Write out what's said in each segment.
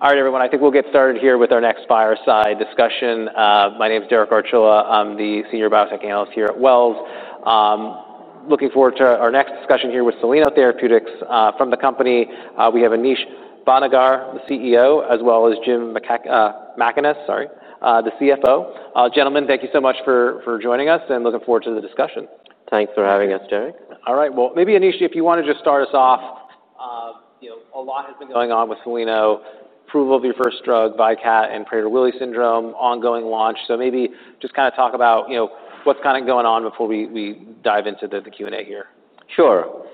All right, everyone, I think we'll get started here with our next fireside discussion. My name is Derek Archila. I'm the Senior Biotech Analyst here at Wells Fargo. Looking forward to our next discussion here with Soleno Therapeutics from the company. We have Anish Bhatnagar, the CEO, as well as Jim Mackaness, the CFO. Gentlemen, thank you so much for joining us and looking forward to the discussion. Thanks for having us, Derek. All right, maybe Anish, if you want to just start us off, you know, a lot has been going on with Soleno, approval of your first drug, VYKAT XR, and Prader-Willi syndrome, ongoing launch. Maybe just kind of talk about, you know, what's kind of going on before we dive into the Q&A here. Sure.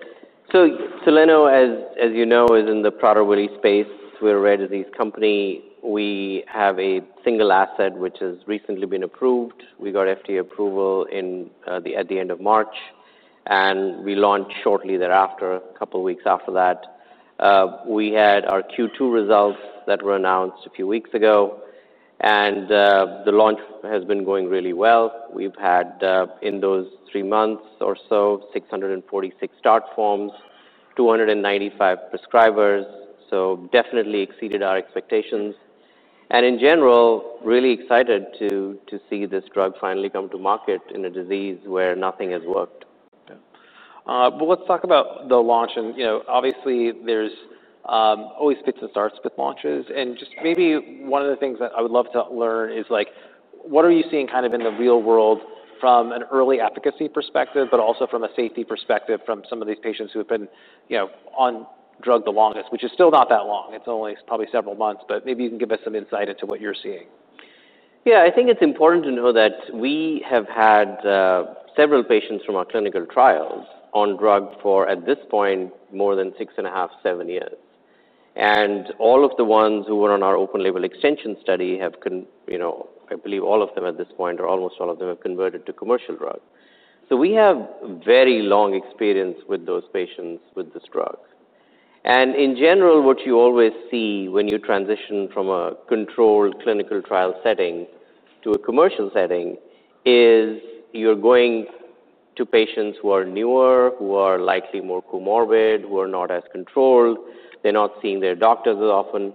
Soleno, as you know, is in the Prader-Willi space. We're a rare disease company. We have a single asset which has recently been approved. We got FDA approval at the end of March. We launched shortly thereafter, a couple of weeks after that. We had our Q2 results that were announced a few weeks ago. The launch has been going really well. We've had, in those three months or so, 646 starts form, 295 prescribers. This definitely exceeded our expectations. In general, really excited to see this drug finally come to market in a disease where nothing has worked. Let's talk about the launch. Obviously, there's always fits and starts with launches. One of the things that I would love to learn is, what are you seeing in the real world from an early efficacy perspective, but also from a safety perspective from some of these patients who have been on drug the longest, which is still not that long. It's only probably several months. Maybe you can give us some insight into what you're seeing. Yeah, I think it's important to know that we have had several patients from our clinical trials on drug for, at this point, more than six and a half, seven years. All of the ones who were on our open label extension study have, you know, I believe all of them at this point, or almost all of them, have converted to commercial drug. We have very long experience with those patients with this drug. In general, what you always see when you transition from a controlled clinical trial setting to a commercial setting is you're going to patients who are newer, who are likely more comorbid, who are not as controlled. They're not seeing their doctors as often.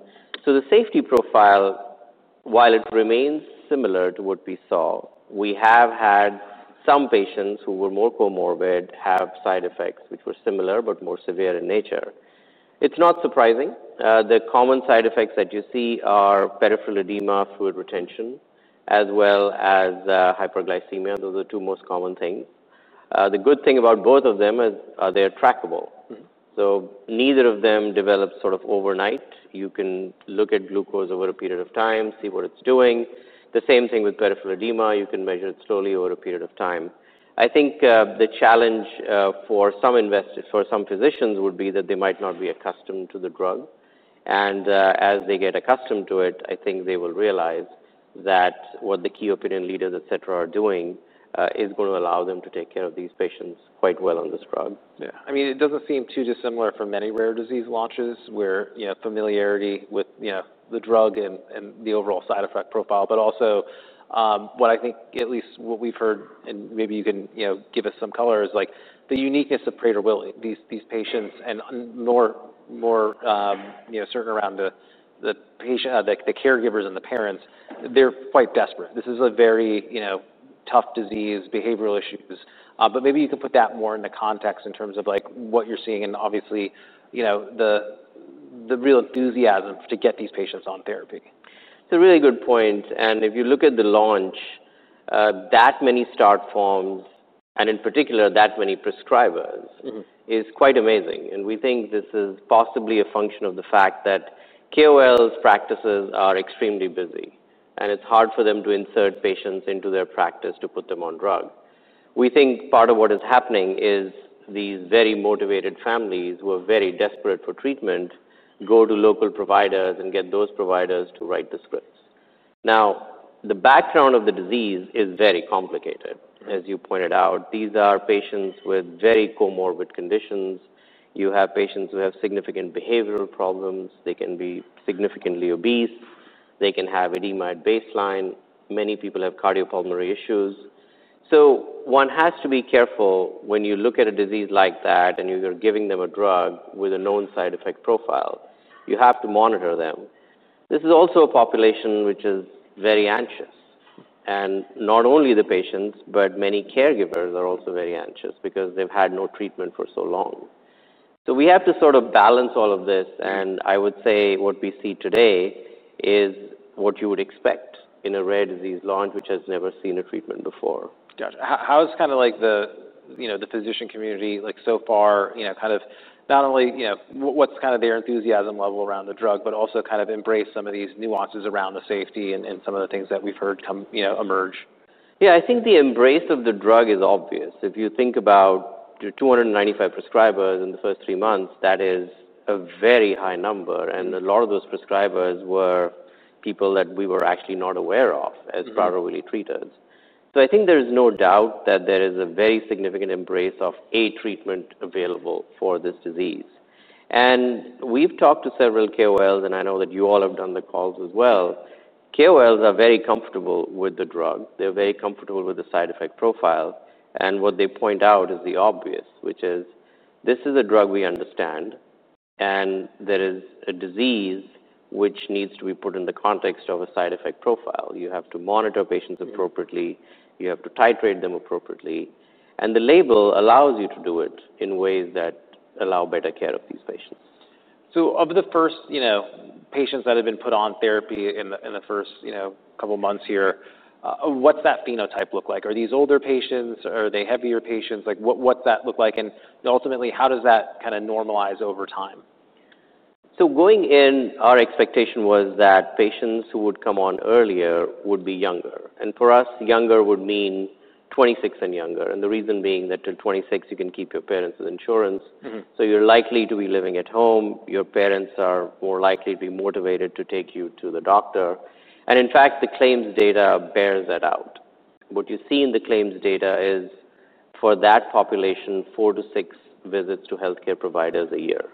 The safety profile, while it remains similar to what we saw, we have had some patients who were more comorbid have side effects which were similar, but more severe in nature. It's not surprising. The common side effects that you see are peripheral edema, fluid retention, as well as hyperglycemia. Those are the two most common things. The good thing about both of them is they are trackable. Neither of them develop sort of overnight. You can look at glucose over a period of time, see what it's doing. The same thing with peripheral edema. You can measure it slowly over a period of time. I think the challenge for some physicians would be that they might not be accustomed to the drug. As they get accustomed to it, I think they will realize that what the key opinion leaders, et cetera, are doing is going to allow them to take care of these patients quite well on this drug. Yeah. I mean, it doesn't seem too dissimilar from many rare disease launches where, you know, familiarity with, you know, the drug and the overall side effect profile. Also, what I think, at least what we've heard, and maybe you can give us some color, is like the uniqueness of Prader-Willi. These patients, and more, you know, certain around the patient, like the caregivers and the parents, they're quite desperate. This is a very, you know, tough disease, behavioral issues. Maybe you can put that more in the context in terms of like what you're seeing and obviously, you know, the real enthusiasm to get these patients on therapy. It's a really good point. If you look at the launch, that many start forms, and in particular that many prescribers, is quite amazing. We think this is possibly a function of the fact that KOLs' practices are extremely busy, and it's hard for them to insert patients into their practice to put them on drug. We think part of what is happening is these very motivated families who are very desperate for treatment go to local providers and get those providers to write the scripts. The background of the disease is very complicated. As you pointed out, these are patients with very comorbid conditions. You have patients who have significant behavioral problems. They can be significantly obese. They can have edema at baseline. Many people have cardiopulmonary issues. One has to be careful when you look at a disease like that and you're giving them a drug with a known side effect profile. You have to monitor them. This is also a population which is very anxious. Not only the patients, but many caregivers are also very anxious because they've had no treatment for so long. We have to sort of balance all of this. I would say what we see today is what you would expect in a rare disease launch which has never seen a treatment before. Got you. How's kind of like the physician community like so far, you know, kind of not only, you know, what's kind of their enthusiasm level around the drug, but also kind of embrace some of these nuances around the safety and some of the things that we've heard come emerge? Yeah, I think the embrace of the drug is obvious. If you think about 295 prescribers in the first three months, that is a very high number. A lot of those prescribers were people that we were actually not aware of as Prader-Willi treaters. I think there is no doubt that there is a very significant embrace of a treatment available for this disease. We've talked to several KOLs, and I know that you all have done the calls as well. KOLs are very comfortable with the drug. They're very comfortable with the side effect profile. What they point out is the obvious, which is this is a drug we understand. There is a disease which needs to be put in the context of a side effect profile. You have to monitor patients appropriately. You have to titrate them appropriately. The label allows you to do it in ways that allow better care of these patients. Of the first patients that have been put on therapy in the first couple of months here, what's that phenotype look like? Are these older patients? Are they heavier patients? What's that look like, and ultimately, how does that kind of normalize over time? Going in, our expectation was that patients who would come on earlier would be younger. For us, younger would mean 26 and younger. The reason being that at 26, you can keep your parents' insurance. You're likely to be living at home. Your parents are more likely to be motivated to take you to the doctor. In fact, the claims data bears that out. What you see in the claims data is for that population, four to six visits to health care providers a year.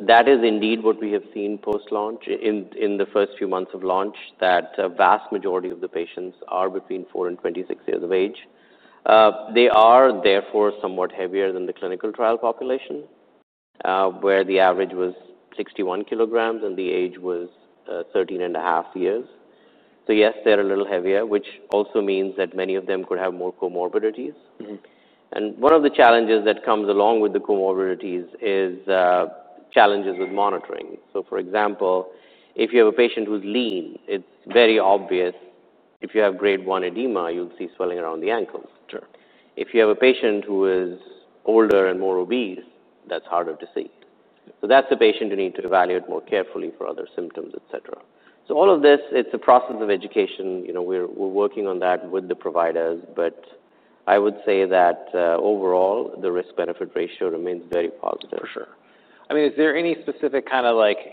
That is indeed what we have seen post-launch in the first few months of launch, that a vast majority of the patients are between 4 years and 26 years of age. They are therefore somewhat heavier than the clinical trial population, where the average was 61 kilograms and the age was 13.5 years. Yes, they're a little heavier, which also means that many of them could have more comorbidities. One of the challenges that comes along with the comorbidities is challenges with monitoring. For example, if you have a patient who's lean, it's very obvious. If you have grade 1 edema, you'll see swelling around the ankles. Sure. If you have a patient who is older and more obese, that's harder to see. That's a patient you need to evaluate more carefully for other symptoms, et cetera. All of this is a process of education. We're working on that with the providers. I would say that overall, the risk-benefit ratio remains very positive. For sure. Is there any specific,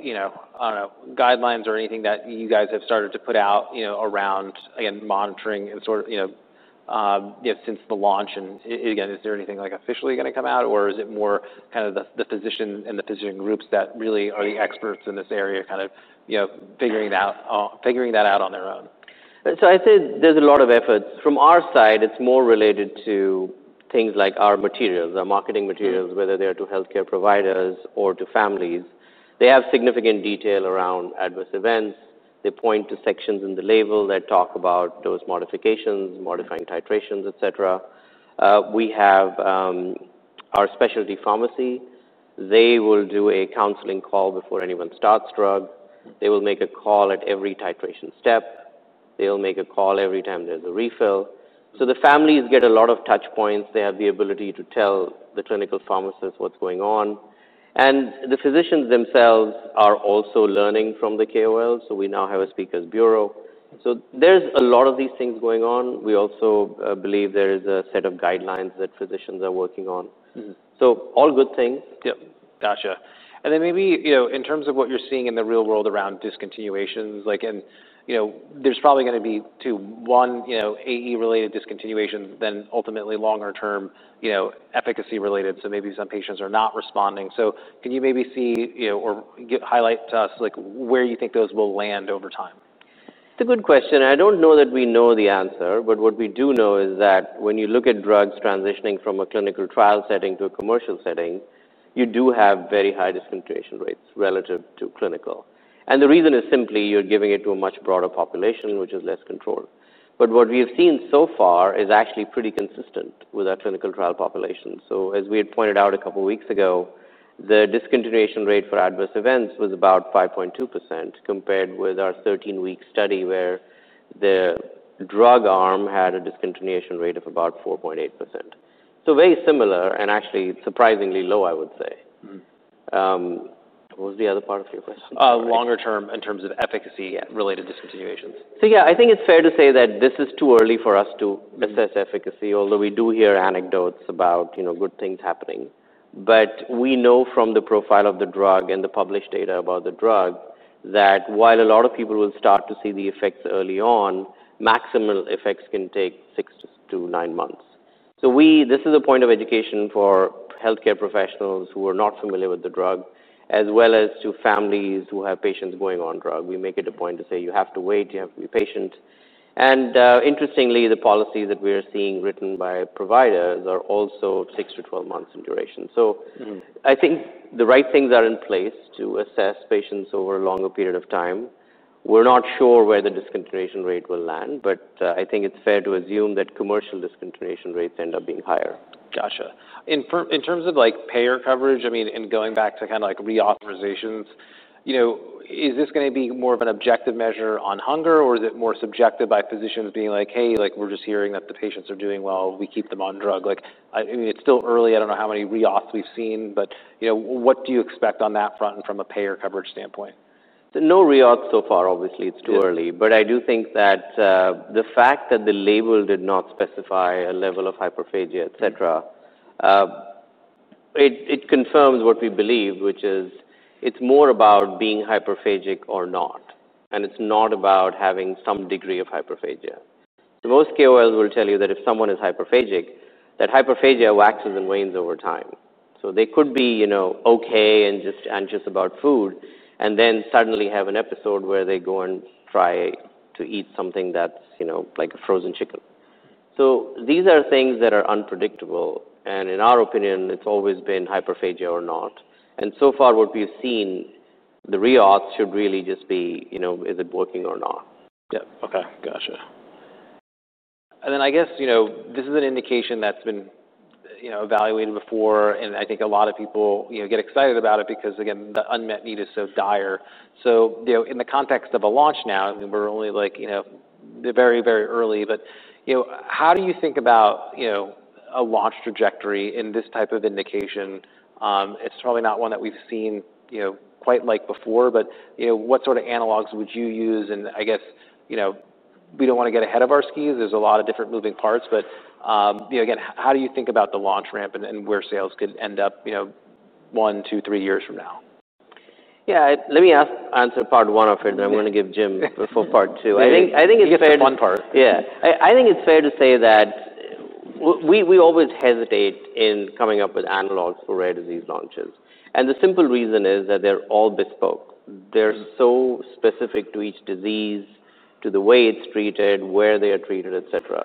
you know, guidelines or anything that you guys have started to put out, you know, around, again, monitoring and sort of, you know, you have since the launch? Is there anything officially going to come out? Is it more the physician and the physician groups that really are the experts in this area, kind of, you know, figuring that out on their own? I'd say there's a lot of efforts. From our side, it's more related to things like our materials, our marketing materials, whether they're to health care providers or to families. They have significant detail around adverse events. They point to sections in the label that talk about those modifications, modifying titrations, et cetera. We have our specialty pharmacy. They will do a counseling call before anyone starts drug. They will make a call at every titration step. They will make a call every time there's a refill. The families get a lot of touch points. They have the ability to tell the clinical pharmacist what's going on. The physicians themselves are also learning from the KOLs. We now have a speakers' bureau. There are a lot of these things going on. We also believe there is a set of guidelines that physicians are working on. All good things. Gotcha. Maybe, in terms of what you're seeing in the real world around discontinuations, there's probably going to be two: one, AE-related discontinuations, then ultimately longer-term, efficacy-related. Maybe some patients are not responding. Can you see, or highlight to us, where you think those will land over time? It's a good question. I don't know that we know the answer. What we do know is that when you look at drugs transitioning from a clinical trial setting to a commercial setting, you do have very high discontinuation rates relative to clinical. The reason is simply you're giving it to a much broader population, which is less controlled. What we have seen so far is actually pretty consistent with our clinical trial population. As we had pointed out a couple of weeks ago, the discontinuation rate for adverse events was about 5.2% compared with our 13-week study where the drug arm had a discontinuation rate of about 4.8%. Very similar and actually surprisingly low, I would say. What was the other part of your question? Longer term in terms of efficacy-related discontinuations. I think it's fair to say that this is too early for us to assess efficacy, although we do hear anecdotes about, you know, good things happening. We know from the profile of the drug and the published data about the drug that while a lot of people will start to see the effects early on, maximal effects can take six to nine months. This is a point of education for health care professionals who are not familiar with the drug, as well as to families who have patients going on drug. We make it a point to say you have to wait. You have to be patient. Interestingly, the policies that we are seeing written by providers are also 6 months-12 months in duration. I think the right things are in place to assess patients over a longer period of time. We're not sure where the discontinuation rate will land. I think it's fair to assume that commercial discontinuation rates end up being higher. Gotcha. In terms of payer coverage, I mean, and going back to reauthorizations, is this going to be more of an objective measure on hunger, or is it more subjective by physicians being like, hey, we're just hearing that the patients are doing well, we keep them on drug? I mean, it's still early. I don't know how many reauths we've seen, but what do you expect on that front from a payer coverage standpoint? No reauth so far. Obviously, it's too early. I do think that the fact that the label did not specify a level of hyperphagia, et cetera, confirms what we believe, which is it's more about being hyperphagic or not. It's not about having some degree of hyperphagia. Most KOLs will tell you that if someone is hyperphagic, that hyperphagia waxes and wanes over time. They could be, you know, okay and just anxious about food and then suddenly have an episode where they go and try to eat something that's, you know, like a frozen chicken. These are things that are unpredictable. In our opinion, it's always been hyperphagia or not. So far, what we've seen, the reauths should really just be, you know, is it working or not? Yeah, okay, got you. This is an indication that's been evaluated before. I think a lot of people get excited about it because, again, the unmet need is so dire. In the context of a launch now, we're only, like, very, very early. How do you think about a launch trajectory in this type of indication? It's probably not one that we've seen quite like before. What sort of analogs would you use? I guess we don't want to get ahead of our skis. There's a lot of different moving parts. Again, how do you think about the launch ramp and where sales could end up, you know, one, two, three years from now? Yeah, let me answer part one of it. I'm going to give Jim the full part two. I think it's fair to say. Yeah, I think it's fair to say that we always hesitate in coming up with analogs for rare disease launches. The simple reason is that they're all bespoke. They're so specific to each disease, to the way it's treated, where they are treated, et cetera.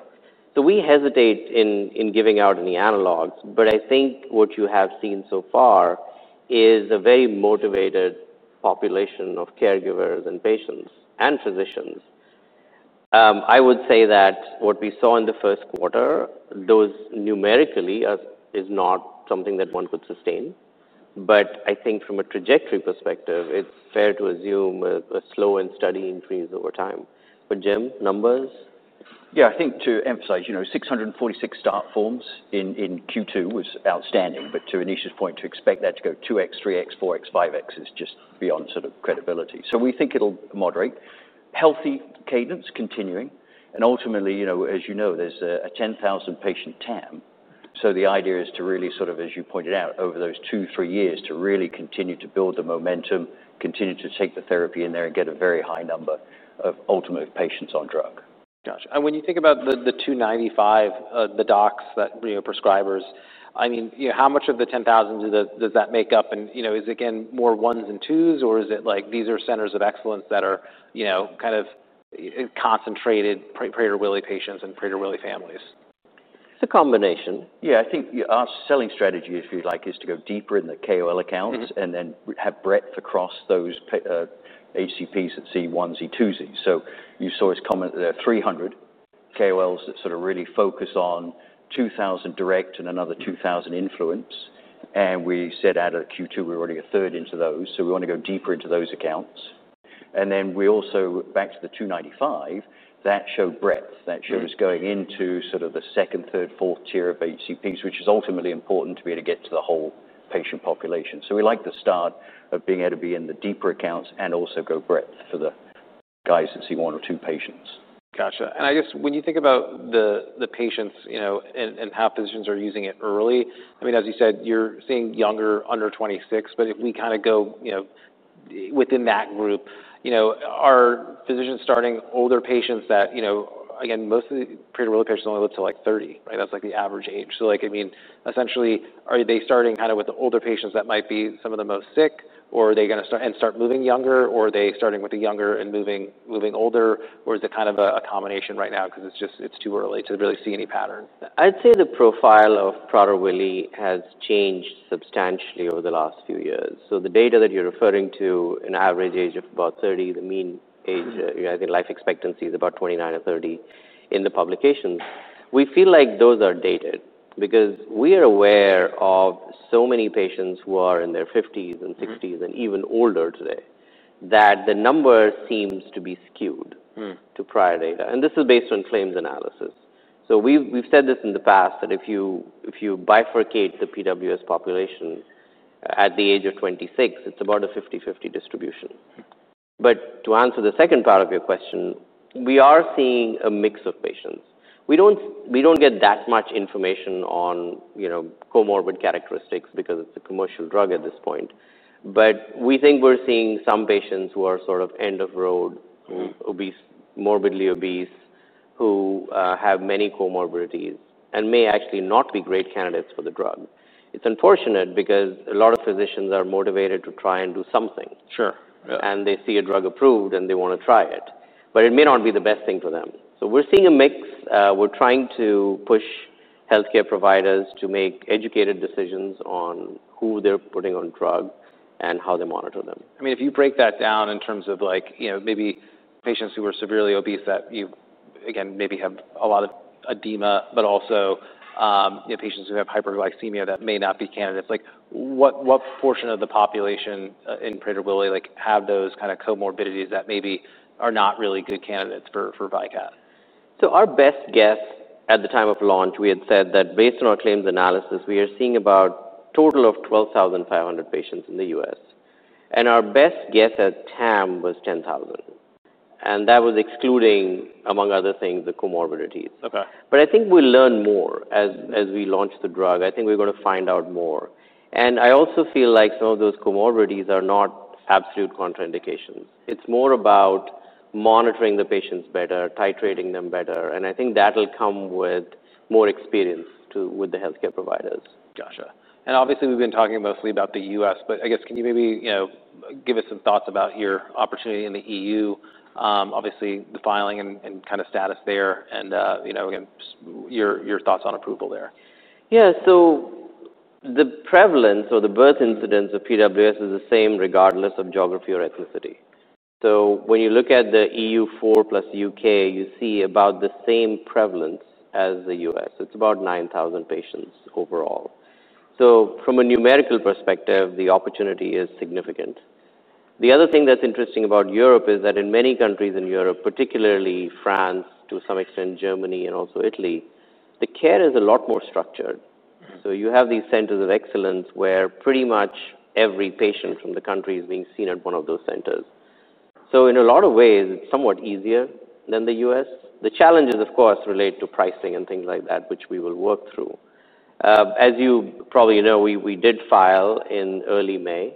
We hesitate in giving out any analogs. I think what you have seen so far is a very motivated population of caregivers and patients and physicians. I would say that what we saw in the first quarter, those numerically, is not something that one could sustain. I think from a trajectory perspective, it's fair to assume a slow and steady increase over time. Jim, numbers? Yeah, I think to emphasize, you know, 646 start forms in Q2 was outstanding. To Anish's point, to expect that to go 2x, 3x, 4x, 5x is just beyond sort of credibility. We think it'll moderate. Healthy cadence continuing. Ultimately, you know, as you know, there's a 10,000-patient TAM. The idea is to really sort of, as you pointed out, over those two, three years, to really continue to build the momentum, continue to take the therapy in there, and get a very high number of ultimate patients on drug. Gotcha. When you think about the 295, the docs that, you know, prescribers, I mean, you know, how much of the 10,000 does that make up? Is it, again, more ones and twos, or is it like these are centers of excellence that are, you know, kind of concentrated Prader-Willi patients and Prader-Willi families? It's a combination. Yeah, I think our selling strategy, if you like, is to go deeper in the KOL accounts and then have breadth across those ACPs at C1, C2, C3. You saw us comment there are 300 KOLs that sort of really focus on 2,000 direct and another 2,000 influence. We said out of Q2, we were running a third into those. We want to go deeper into those accounts. We also, back to the 295, that showed breadth. That shows going into sort of the second, third, fourth tier of ACPs, which is ultimately important to be able to get to the whole patient population. We like the start of being able to be in the deeper accounts and also go breadth for the guys that see one or two patients. Gotcha. I guess when you think about the patients, you know, and how physicians are using it early, I mean, as you said, you're seeing younger under 26. If we kind of go within that group, are physicians starting older patients that, you know, again, most of the Prader-Willi patients only live to like 30, right? That's like the average age. I mean, essentially, are they starting kind of with the older patients that might be some of the most sick? Are they going to start and start moving younger? Are they starting with the younger and moving older? Is it kind of a combination right now because it's just, it's too early to really see any pattern? I'd say the profile of Prader-Willi has changed substantially over the last few years. The data that you're referring to, an average age of about 30, the mean age, I think life expectancy is about 29 or 30 in the publications, we feel like those are dated because we are aware of so many patients who are in their 50s and 60s and even older today that the number seems to be skewed to prior data. This is based on FLAMES analysis. We've said this in the past that if you bifurcate the PWS population at the age of 26, it's about a 50/50 distribution. To answer the second part of your question, we are seeing a mix of patients. We don't get that much information on, you know, comorbid characteristics because it's a commercial drug at this point. We think we're seeing some patients who are sort of end of road, morbidly obese, who have many comorbidities and may actually not be great candidates for the drug. It's unfortunate because a lot of physicians are motivated to try and do something. Sure. They see a drug approved and they want to try it. It may not be the best thing for them. We're seeing a mix. We're trying to push health care providers to make educated decisions on who they're putting on drug and how they monitor them. If you break that down in terms of, like, maybe patients who are severely obese that, again, maybe have a lot of edema, but also patients who have hyperglycemia that may not be candidates, what portion of the population in Prader-Willi have those kind of comorbidities that maybe are not really good candidates for VYKAT XR? At the time of launch, we had said that based on our claims analysis, we are seeing about a total of 12,500 patients in the U.S. Our best guess at TAM was 10,000. That was excluding, among other things, the comorbidities. Okay. I think we'll learn more as we launch the drug. I think we're going to find out more. I also feel like some of those comorbidities are not absolute contraindications. It's more about monitoring the patients better, titrating them better. I think that'll come with more experience with the health care providers. Got you. Obviously, we've been talking mostly about the U.S. Can you maybe, you know, give us some thoughts about your opportunity in Europe, obviously the filing and kind of status there, and your thoughts on approval there? Yeah, so the prevalence or the birth incidence of PWS is the same regardless of geography or ethnicity. When you look at the EU4+ U.K., you see about the same prevalence as the U.S. It's about 9,000 patients overall. From a numerical perspective, the opportunity is significant. The other thing that's interesting about Europe is that in many countries in Europe, particularly France, to some extent Germany, and also Italy, the care is a lot more structured. You have these centers of excellence where pretty much every patient from the country is being seen at one of those centers. In a lot of ways, it's somewhat easier than the U.S. The challenges, of course, relate to pricing and things like that, which we will work through. As you probably know, we did file in early May.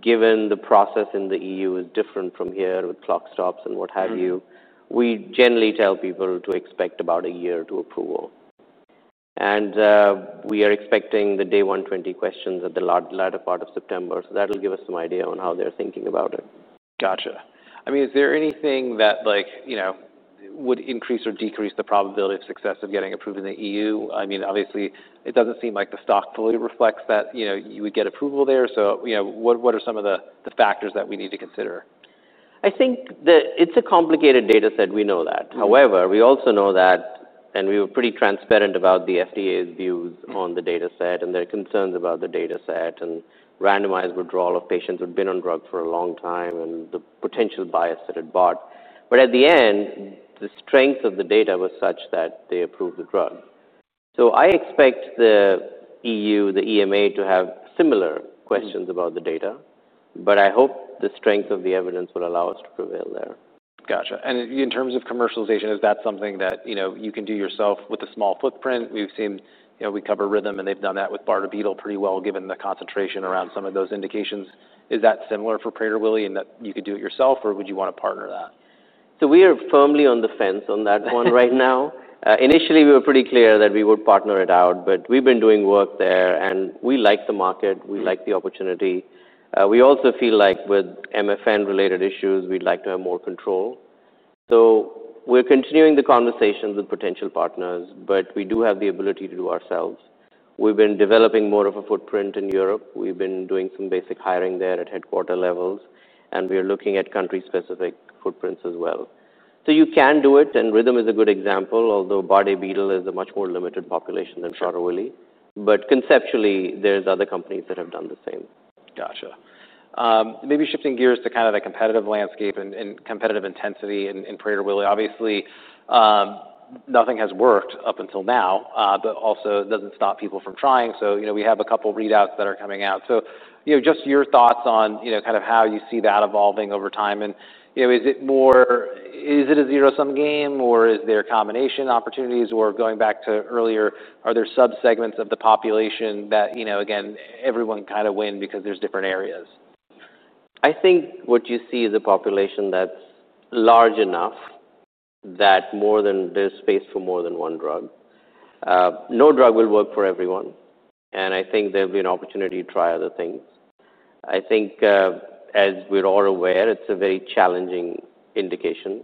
Given the process in the EU is different from here with clock stops and what have you, we generally tell people to expect about a year to approval. We are expecting the day 120 questions at the latter part of September. That'll give us some idea on how they're thinking about it. Gotcha. I mean, is there anything that would increase or decrease the probability of success of getting approved in the EU? I mean, obviously, it doesn't seem like the stock really reflects that you would get approval there. What are some of the factors that we need to consider? I think that it's a complicated data set. We know that. However, we also know that, and we were pretty transparent about the FDA's views on the data set and their concerns about the data set and randomized withdrawal of patients who had been on drug for a long time and the potential bias that it brought. At the end, the strength of the data was such that they approved the drug. I expect the EU, the EMA, to have similar questions about the data. I hope the strength of the evidence will allow us to prevail there. Gotcha. In terms of commercialization, is that something that, you know, you can do yourself with a small footprint? We've seen, you know, we cover Rhythm, and they've done that with Bardobetal pretty well, given the concentration around some of those indications. Is that similar for Prader-Willi in that you could do it yourself? Would you want to partner that? We are firmly on the fence on that one right now. Initially, we were pretty clear that we would partner it out. We've been doing work there, and we like the market. We like the opportunity. We also feel like with MFN-related issues, we'd like to have more control. We're continuing the conversations with potential partners, but we do have the ability to do it ourselves. We've been developing more of a footprint in Europe. We've been doing some basic hiring there at headquarter levels, and we are looking at country-specific footprints as well. You can do it. Rhythm is a good example, although Bardobetal is a much more limited population than Prader-Willi. Conceptually, there are other companies that have done the same. Gotcha. Maybe shifting gears to kind of the competitive landscape and competitive intensity in Prader-Willi. Obviously, nothing has worked up until now. It doesn't stop people from trying. We have a couple of readouts that are coming out. Just your thoughts on how you see that evolving over time. Is it more, is it a zero-sum game? Is there combination opportunities? Going back to earlier, are there subsegments of the population that, again, everyone kind of wins because there's different areas? I think what you see is a population that's large enough that there's space for more than one drug. No drug will work for everyone. I think there'll be an opportunity to try other things. As we're all aware, it's a very challenging indication.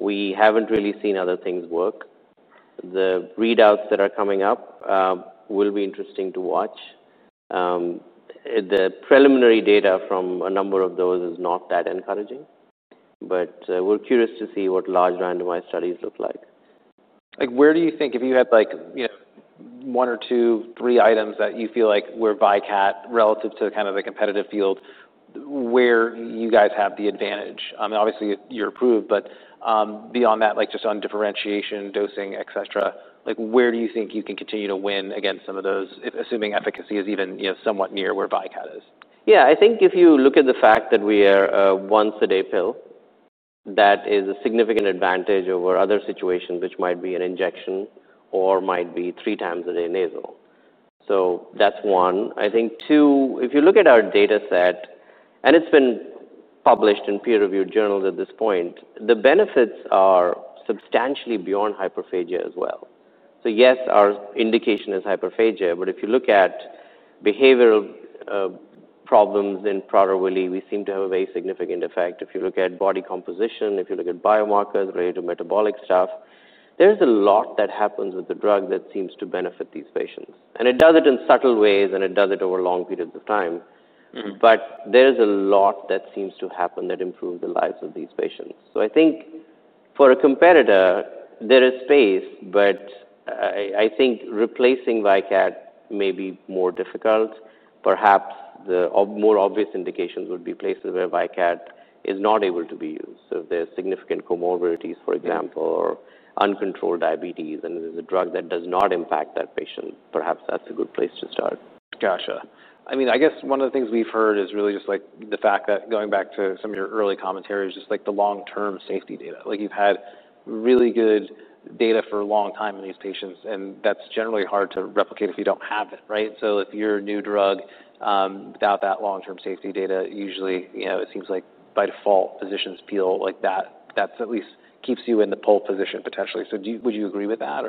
We haven't really seen other things work. The readouts that are coming up will be interesting to watch. The preliminary data from a number of those is not that encouraging. We're curious to see what large randomized studies look like. Where do you think, if you had one or two, three items that you feel like were VYKAT XR relative to the competitive field, where you guys have the advantage? I mean, obviously, you're approved. Beyond that, just on differentiation, dosing, et cetera, where do you think you can continue to win against some of those, assuming efficacy is even somewhat near where VYKAT XR is? I think if you look at the fact that we are a once-a-day fill, that is a significant advantage over other situations, which might be an injection or might be three times a day nasal. That's one. I think, two, if you look at our data set, and it's been published in peer-reviewed journals at this point, the benefits are substantially beyond hyperphagia as well. Yes, our indication is hyperphagia. If you look at behavioral problems in Prader-Willi, we seem to have a very significant effect. If you look at body composition, if you look at biomarkers related to metabolic stuff, there's a lot that happens with the drug that seems to benefit these patients. It does it in subtle ways. It does it over long periods of time. There's a lot that seems to happen that improves the lives of these patients. I think for a competitor, there is space. I think replacing VYKAT XR may be more difficult. Perhaps the more obvious indications would be places where VYKAT XR is not able to be used. If there are significant comorbidities, for example, or uncontrolled diabetes, and it is a drug that does not impact that patient, perhaps that's a good place to start. Gotcha. I mean, I guess one of the things we've heard is really just like the fact that going back to some of your early commentary is just like the long-term safety data. You've had really good data for a long time in these patients. That's generally hard to replicate if you don't have it, right? If you're a new drug, without that long-term safety data, usually, it seems like by default, physicians feel like that at least keeps you in the pole position potentially. Would you agree with that?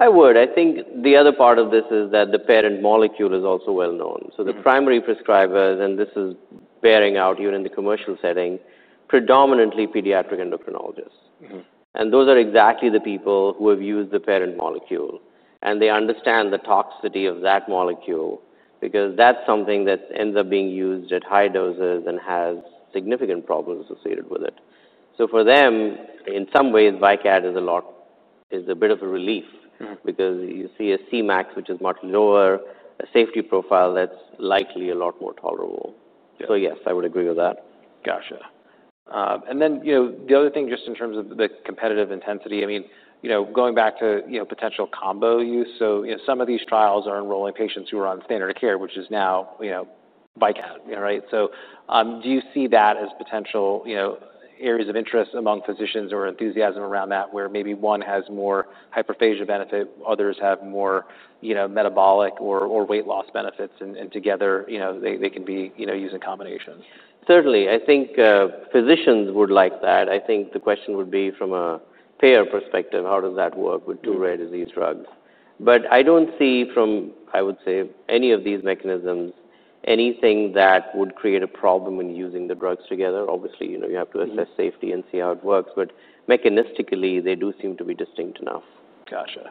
I would. I think the other part of this is that the parent molecule is also well known. The primary prescribers, and this is bearing out even in the commercial setting, are predominantly pediatric endocrinologists. Those are exactly the people who have used the parent molecule. They understand the toxicity of that molecule because that's something that ends up being used at high doses and has significant problems associated with it. For them, in some ways, VYKAT XR is a bit of a relief because you see a Cmax, which is much lower, a safety profile that's likely a lot more tolerable. Yes, I would agree with that. Gotcha. The other thing just in terms of the competitive intensity, going back to potential combo use, some of these trials are enrolling patients who are on standard of care, which is now VYKAT XR, right? Do you see that as potential areas of interest among physicians or enthusiasm around that where maybe one has more hyperphagia benefit, others have more metabolic or weight loss benefits? Together, they could be used in combination? Certainly. I think physicians would like that. I think the question would be from a payer perspective, how does that work with two rare disease drugs? I don't see from, I would say, any of these mechanisms anything that would create a problem in using the drugs together. Obviously, you have to assess safety and see how it works. Mechanistically, they do seem to be distinct enough. Gotcha.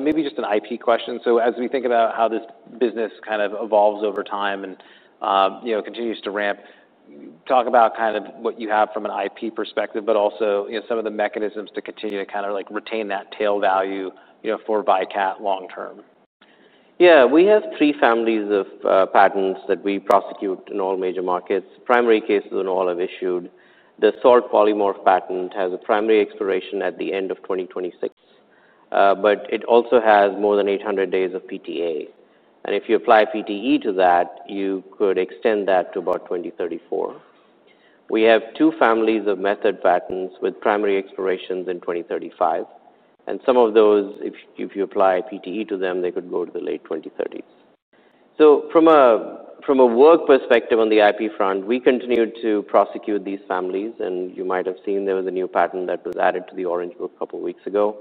Maybe just an IP question. As we think about how this business kind of evolves over time and, you know, continues to ramp, talk about kind of what you have from an IP perspective, but also, you know, some of the mechanisms to continue to kind of like retain that tail value, you know, for VYKAT XR long term. Yeah, we have three families of patents that we prosecute in all major markets. Primary cases in all have issued. The SALT polymorph patent has a primary expiration at the end of 2026, but it also has more than 800 days of PTA. If you apply PTE to that, you could extend that to about 2034. We have two families of method patents with primary expirations in 2035, and some of those, if you apply PTE to them, they could go to the late 2030s. From a work perspective on the IP front, we continue to prosecute these families. You might have seen there was a new patent that was added to the Orange Book a couple of weeks ago.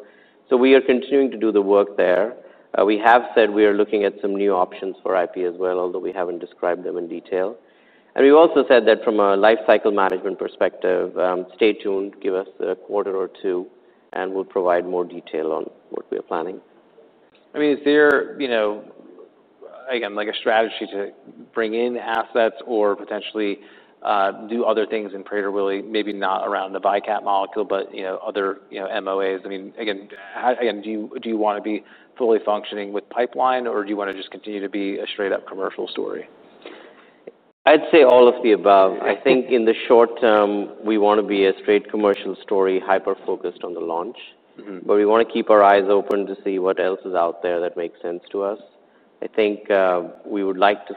We are continuing to do the work there. We have said we are looking at some new options for IP as well, although we haven't described them in detail. We've also said that from a lifecycle management perspective, stay tuned. Give us a quarter or two, and we'll provide more detail on what we are planning. Is there, you know, a strategy to bring in assets or potentially do other things in Prader-Willi, maybe not around the VYKAT XR molecule, but other MOAs? Do you want to be fully functioning with pipeline, or do you want to just continue to be a straight-up commercial story? I'd say all of the above. I think in the short term, we want to be a straight commercial story, hyper-focused on the launch. We want to keep our eyes open to see what else is out there that makes sense to us. I think we would like to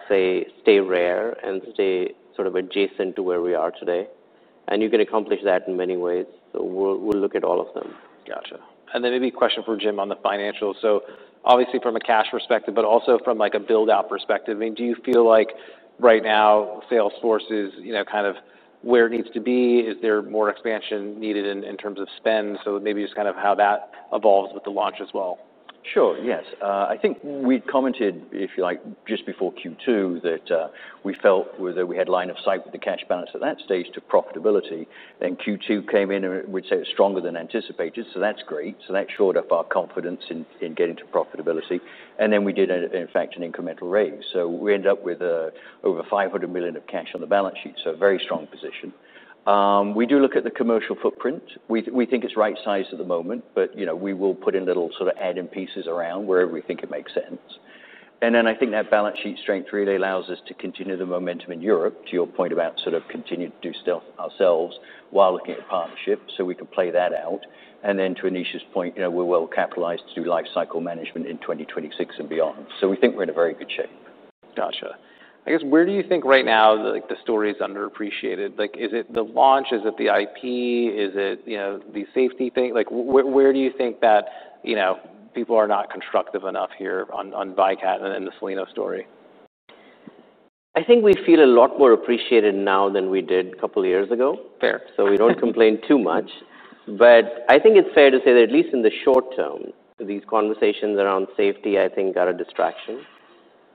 stay rare and stay sort of adjacent to where we are today. You can accomplish that in many ways. We'll look at all of them. Got you. Maybe a question for Jim on the financials. Obviously from a cash perspective, but also from a build-out perspective, do you feel like right now salesforce is kind of where it needs to be? Is there more expansion needed in terms of spend? Maybe just kind of how that evolves with the launch as well. Sure, yes. I think we commented, if you like, just before Q2 that we felt that we had line of sight with the cash balance at that stage to profitability. Q2 came in and we'd say it's stronger than anticipated. That's great. That shored up our confidence in getting to profitability. We did, in fact, an incremental raise. We ended up with over $500 million of cash on the balance sheet, a very strong position. We do look at the commercial footprint. We think it's right-sized at the moment, but we will put in little sort of add-in pieces around wherever we think it makes sense. I think that balance sheet strength really allows us to continue the momentum in Europe, to your point about sort of continue to do stuff ourselves while looking at partnerships. We can play that out. To Anish's point, we're well capitalized to do lifecycle management in 2026 and beyond. We think we're in a very good shape. Gotcha. I guess where do you think right now the story is underappreciated? Is it the launch? Is it the IP? Is it the safety thing? Where do you think that people are not constructive enough here on VYKAT XR and in the Soleno Therapeutics story? I think we feel a lot more appreciated now than we did a couple of years ago. Fair. We don't complain too much. I think it's fair to say that at least in the short term, these conversations around safety are a distraction.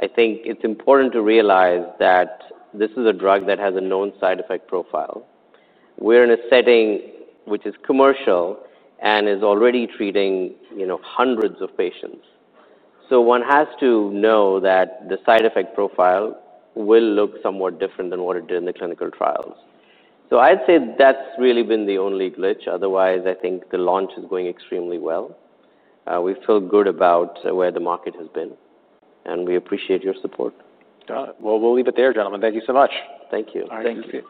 I think it's important to realize that this is a drug that has a known side effect profile. We're in a setting which is commercial and is already treating hundreds of patients. One has to know that the side effect profile will look somewhat different than what it did in the clinical trials. I'd say that's really been the only glitch. Otherwise, I think the launch is going extremely well. We feel good about where the market has been. We appreciate your support. Got it. We'll leave it there, gentlemen. Thank you so much. Thank you. Thank you.